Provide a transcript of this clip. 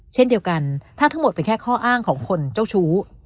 เช่นเดียวกันถ้าทั้งหมดเป็นแค่ข้ออ้างของคนเจ้าชู้